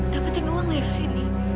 dapatkan uang dari sini